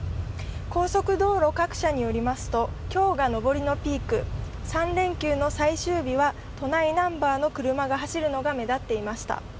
高速道路各社によりますと今日が上りのピーク、３連休の最終日は都内ナンバーの車が走るのが目立っていました。